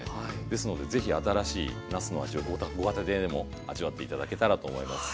ですので是非新しいなすの味をご家庭でも味わって頂けたらと思います。